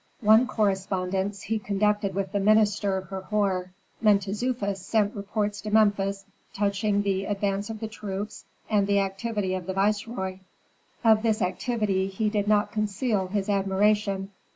One correspondence he conducted with the minister Herhor; Mentezufis sent reports to Memphis touching the advance of the troops, and the activity of the viceroy; of this activity he did not conceal his admiration.